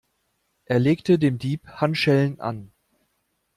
Er legte dem Dieb Handschellen an.